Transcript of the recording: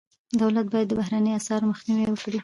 دولت باید د بهرنیو اسعارو مخنیوی وکړي.